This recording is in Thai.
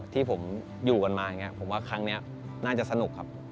ที่ผมอยู่กันมาอย่างนี้ผมว่าครั้งนี้น่าจะสนุกครับ